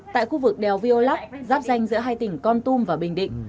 tại khu vực đèo viô lắp giáp danh giữa hai tỉnh con tum và bình định